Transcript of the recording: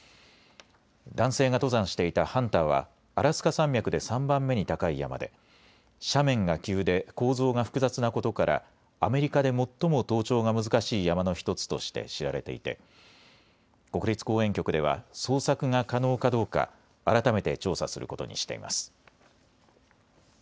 男性が登山していたハンターは、アラスカ山脈で３番目に高い山で、斜面が急で、構造が複雑なことから、アメリカで最も登頂が難しい山の一つとして知られていて、国立公園局では、捜索が可能かどうか、改めて調査することにしています。